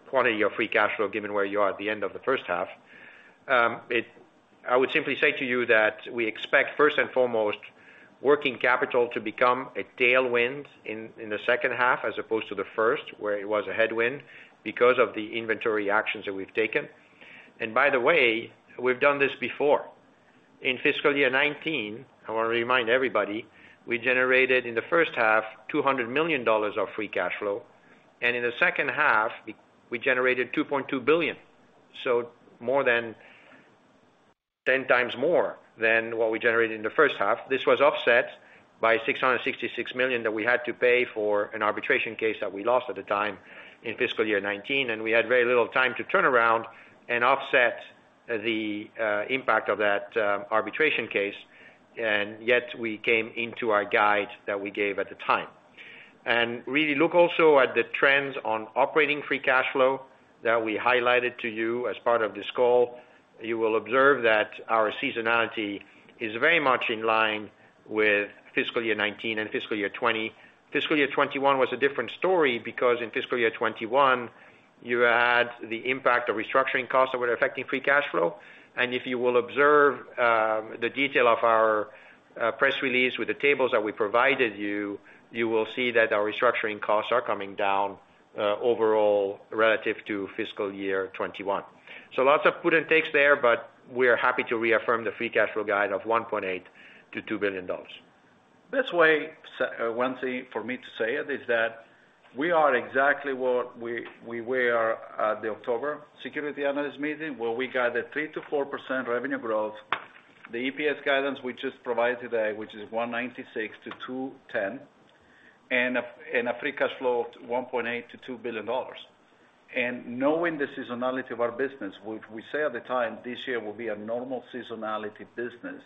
S4: quantity of free cash flow given where you are at the end of the first half? I would simply say to you that we expect, first and foremost, working capital to become a tailwind in the second half as opposed to the first, where it was a headwind because of the inventory actions that we've taken. By the way, we've done this before. In fiscal year 2019, I wanna remind everybody, we generated in the first half $200 million of free cash flow, and in the second half we generated $2.2 billion. More than 10 times more than what we generated in the first half. This was offset by $666 million that we had to pay for an arbitration case that we lost at the time in fiscal year 2019, and we had very little time to turn around and offset the impact of that arbitration case. Yet we came into our guide that we gave at the time. Really look also at the trends on operating free cash flow that we highlighted to you as part of this call. You will observe that our seasonality is very much in line with fiscal year 2019 and fiscal year 2020. Fiscal year 2021 was a different story because in fiscal year 2021, you had the impact of restructuring costs that were affecting free cash flow. If you will observe the detail of our press release with the tables that we provided you will see that our restructuring costs are coming down overall relative to fiscal year 2021. Lots of give and takes there, but we are happy to reaffirm the free cash flow guide of $1.8 billion-$2 billion.
S3: Best way, one thing for me to say it is that we are exactly what we were at the October Securities Analyst Meeting, where we guided 3%-4% revenue growth, the EPS guidance we just provided today, which is $1.96-$2.10, and a free cash flow of $1.8 billion-$2 billion. Knowing the seasonality of our business, which we said at the time this year will be a normal seasonality business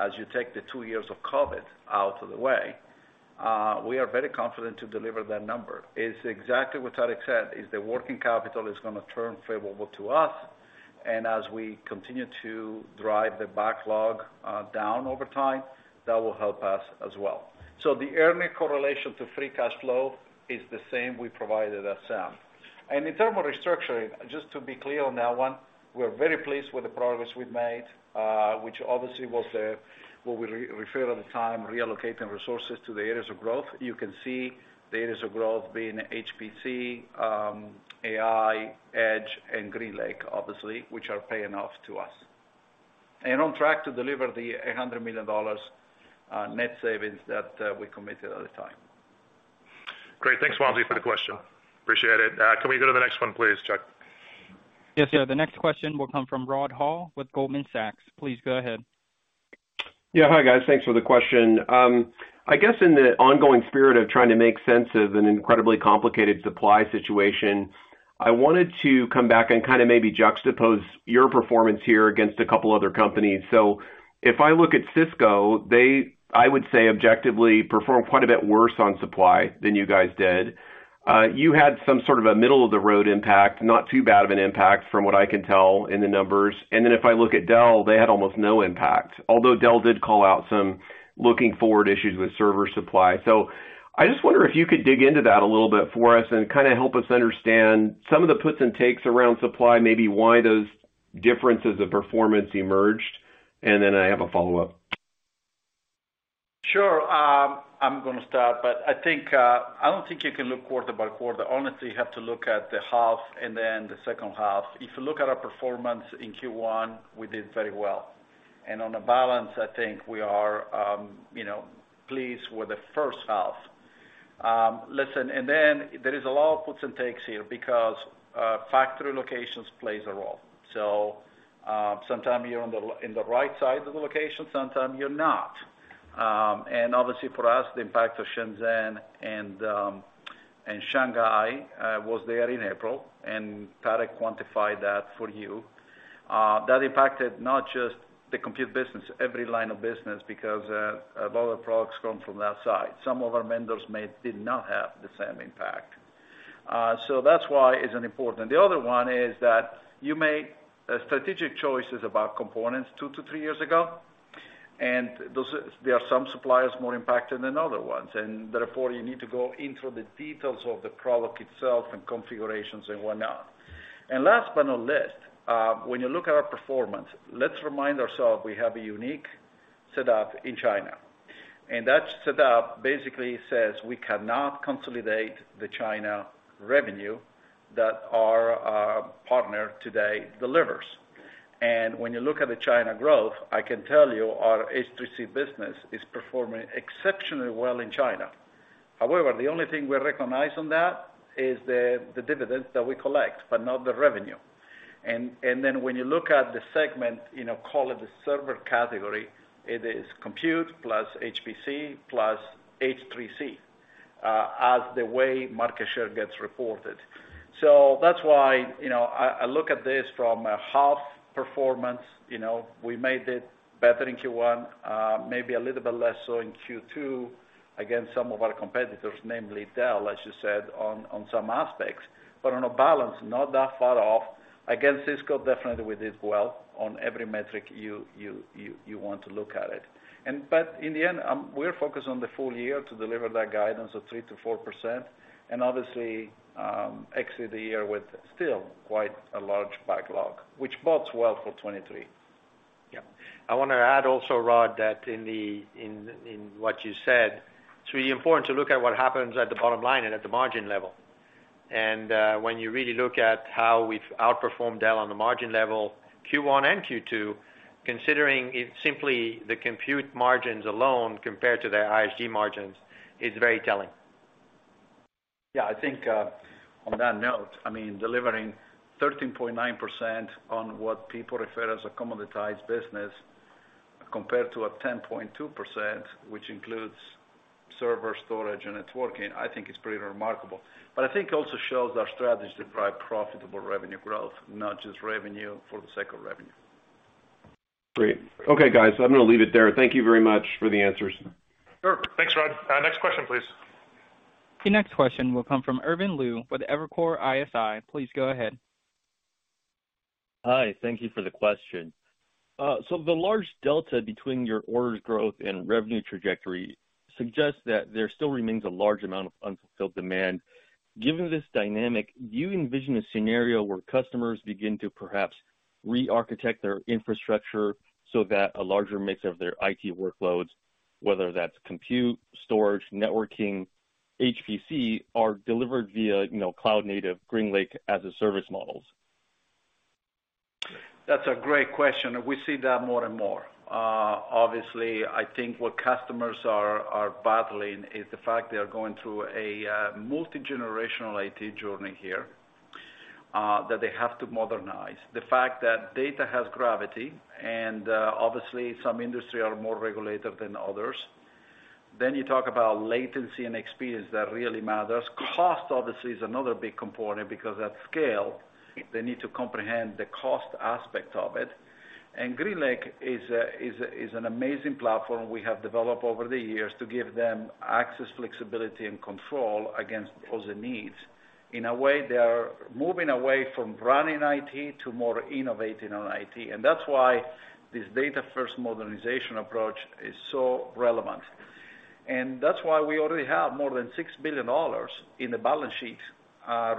S3: as you take the two years of COVID out of the way, we are very confident to deliver that number. It's exactly what Tarek said, is the working capital is gonna turn favorable to us, and as we continue to drive the backlog down over time, that will help us as well. The earnings correlation to free cash flow is the same we provided at SAM. In terms of restructuring, just to be clear on that one, we're very pleased with the progress we've made, which obviously was what we referred at the time, reallocating resources to the areas of growth. You can see the areas of growth being HPC, AI, Edge, and GreenLake, obviously, which are paying off to us. On track to deliver the $100 million net savings that we committed at the time.
S4: Great. Thanks, Wamsi, for the question. Appreciate it. Can we go to the next one, please, Chuck?
S1: Yes, sir. The next question will come from Rod Hall with Goldman Sachs. Please go ahead.
S9: Yeah. Hi, guys. Thanks for the question. I guess in the ongoing spirit of trying to make sense of an incredibly complicated supply situation, I wanted to come back and kind of maybe juxtapose your performance here against a couple other companies. If I look at Cisco, they, I would say objectively perform quite a bit worse on supply than you guys did. You had some sort of a middle of the road impact, not too bad of an impact from what I can tell in the numbers. If I look at Dell, they had almost no impact, although Dell did call out some looking forward issues with server supply.
S4: I just wonder if you could dig into that a little bit for us and kinda help us understand some of the puts and takes around supply, maybe why those differences of performance emerged, and then I have a follow-up.
S3: Sure. I'm gonna start, but I think I don't think you can look quarter by quarter. Honestly, you have to look at the half and then the second half. If you look at our performance in Q1, we did very well. On the balance, I think we are, you know, pleased with the first half. Listen, there is a lot of puts and takes here because factory locations plays a role. Sometime you're in the right side of the location, sometime you're not. Obviously for us, the impact of Shenzhen and Shanghai was there in April, and Tarek quantified that for you. That impacted not just the compute business, every line of business because a lot of products come from that side. Some of our vendors did not have the same impact. That's why it's important. The other one is that you make strategic choices about components two-three years ago, and there are some suppliers more impacted than other ones, and therefore you need to go into the details of the product itself and configurations and whatnot. Last but not least, when you look at our performance, let's remind ourselves we have a unique setup in China. That setup basically says we cannot consolidate the China revenue that our partner today delivers. When you look at the China growth, I can tell you our H3C business is performing exceptionally well in China. However, the only thing we recognize on that is the dividends that we collect, but not the revenue. Then when you look at the segment, you know, call it the server category, it is compute plus HPC plus H3C, as the way market share gets reported. So that's why, you know, I look at this from a HPE performance. You know, we made it better in Q1, maybe a little bit less so in Q2 against some of our competitors, namely Dell, as you said, on some aspects. But on balance, not that far off. Against Cisco, definitely we did well on every metric you want to look at it. But in the end, we're focused on the full year to deliver that guidance of 3%-4% and obviously, exit the year with still quite a large backlog, which bodes well for 2023.
S1: Yeah. I wanna add also, Rod, that in what you said, it's really important to look at what happens at the bottom line and at the margin level. When you really look at how we've outperformed Dell on the margin level, Q1 and Q2, considering it's simply the compute margins alone compared to their ISG margins is very telling.
S3: Yeah. I think, on that note, I mean, delivering 13.9% on what people refer to as a commoditized business compared to a 10.2%, which includes server storage and networking, I think it's pretty remarkable. I think it also shows our strategy to drive profitable revenue growth, not just revenue for the sake of revenue.
S4: Great. Okay, guys, I'm gonna leave it there. Thank you very much for the answers.
S1: Sure. Thanks, Rod. Next question, please. The next question will come from Irvin Liu with Evercore ISI. Please go ahead.
S10: Hi. Thank you for the question. The large delta between your orders growth and revenue trajectory suggests that there still remains a large amount of unfulfilled demand. Given this dynamic, do you envision a scenario where customers begin to perhaps re-architect their infrastructure so that a larger mix of their IT workloads, whether that's compute, storage, networking, HPC, are delivered via, you know, cloud native GreenLake as a service models?
S3: That's a great question, and we see that more and more. Obviously, I think what customers are battling is the fact they are going through a multi-generational IT journey here that they have to modernize. The fact that data has gravity and obviously some industries are more regulated than others. Then you talk about latency and experience that really matters. Cost obviously is another big component because at scale, they need to comprehend the cost aspect of it. GreenLake is an amazing platform we have developed over the years to give them access, flexibility and control against those needs. In a way, they are moving away from running IT to more innovating on IT. That's why this data first modernization approach is so relevant. That's why we already have more than $6 billion in the balance sheet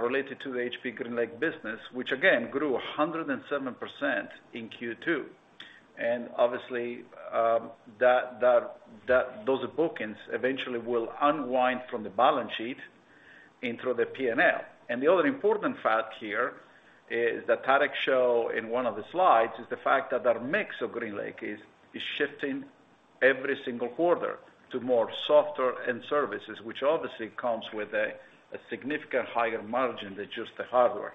S3: related to the HPE GreenLake business, which again grew 107% in Q2. Those bookings eventually will unwind from the balance sheet into the P&L. The other important fact here is that Tarek showed in one of the slides is the fact that our mix of GreenLake is shifting every single quarter to more software and services, which obviously comes with a significant higher margin than just the hardware.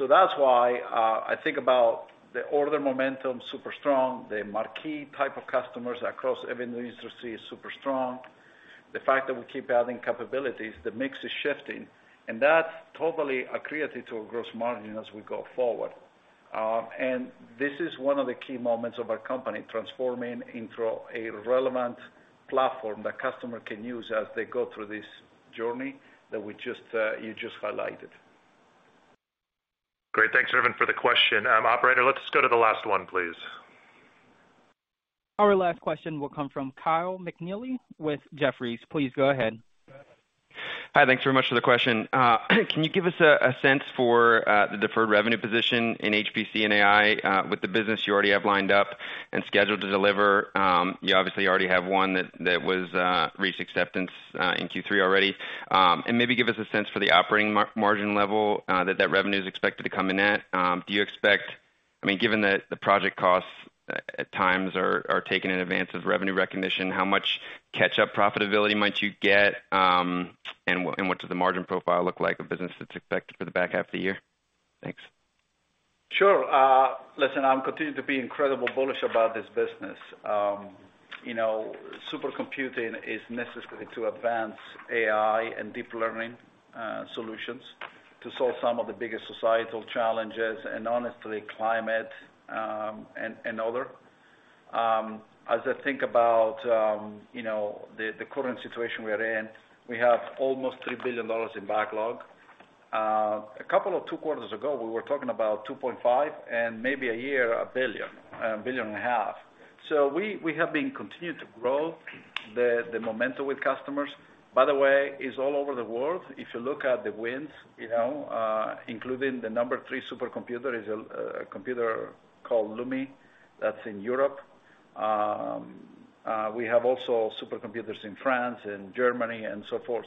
S3: That's why I think about the order momentum, super strong. The marquee type of customers across every new industry is super strong. The fact that we keep adding capabilities, the mix is shifting and that totally accretive to our gross margin as we go forward. This is one of the key moments of our company transforming into a relevant platform that customer can use as they go through this journey that you just highlighted.
S4: Great. Thanks, Irvin, for the question. Operator, let's go to the last one, please.
S1: Our last question will come from Kyle McNealy with Jefferies. Please go ahead.
S11: Hi, thanks very much for the question. Can you give us a sense for the deferred revenue position in HPC and AI with the business you already have lined up and scheduled to deliver? You obviously already have one that was reached acceptance in Q3 already. Maybe give us a sense for the operating margin level that revenue is expected to come in at. Do you expect? I mean, given that the project costs at times are taken in advance of revenue recognition, how much catch up profitability might you get? What does the margin profile look like of business that's expected for the back half of the year? Thanks.
S3: Sure. Listen, I'm continuing to be incredibly bullish about this business. You know, supercomputing is necessary to advance AI and deep learning solutions to solve some of the biggest societal challenges and honestly, climate, and other. As I think about, you know, the current situation we are in, we have almost $3 billion in backlog. A couple quarters ago, we were talking about $2.5 billion and maybe $1.5 billion. We have been continuing to grow the momentum with customers. By the way, it's all over the world. If you look at the wins, you know, including the number three supercomputer is a computer called LUMI, that's in Europe. We have also supercomputers in France and Germany and so forth.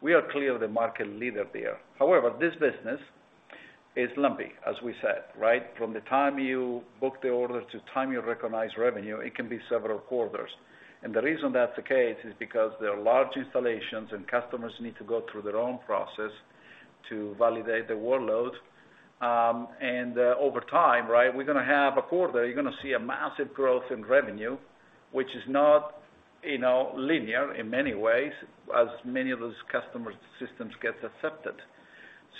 S3: We are clearly the market leader there. However, this business is lumpy, as we said, right? From the time you book the order to the time you recognize revenue, it can be several quarters. The reason that's the case is because there are large installations and customers need to go through their own process to validate the workload. Over time, right, we're gonna have a quarter, you're gonna see a massive growth in revenue, which is not linear in many ways as many of those customer systems gets accepted.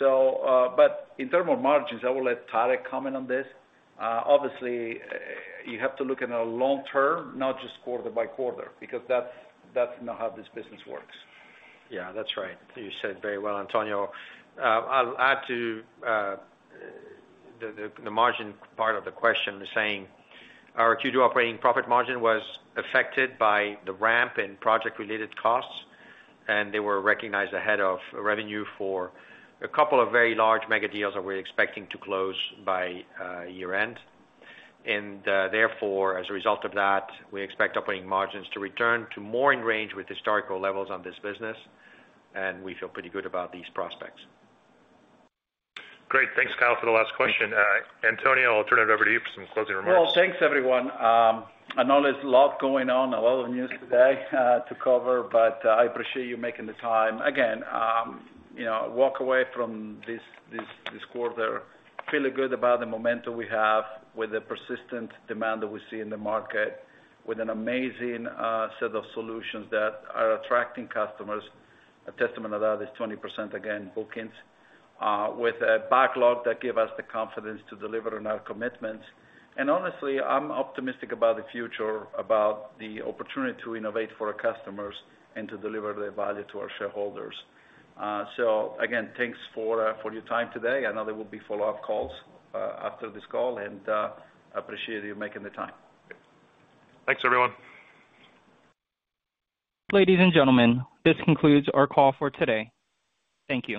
S3: But in terms of margins, I will let Tarek comment on this. Obviously you have to look in the long term, not just quarter by quarter, because that's not how this business works.
S4: Yeah, that's right. You said it very well, Antonio. I'll add to the margin part of the question saying our Q2 operating profit margin was affected by the ramp in project-related costs, and they were recognized ahead of revenue for a couple of very large mega deals that we're expecting to close by year-end. Therefore, as a result of that, we expect operating margins to return to more in range with historical levels on this business, and we feel pretty good about these prospects. Great. Thanks, Kyle, for the last question. Antonio, I'll turn it over to you for SAM closing remarks.
S3: Well, thanks, everyone. I know there's a lot going on, a lot of news today to cover, but I appreciate you making the time. Again, you know, walk away from this quarter feeling good about the momentum we have with the persistent demand that we see in the market with an amazing set of solutions that are attracting customers. A testament of that is 20% again bookings with a backlog that give us the confidence to deliver on our commitments. Honestly, I'm optimistic about the future, about the opportunity to innovate for our customers and to deliver the value to our shareholders. Again, thanks for your time today. I know there will be follow-up calls after this call, and appreciate you making the time.
S4: Thanks, everyone.
S1: Ladies and gentlemen, this concludes our call for today. Thank you.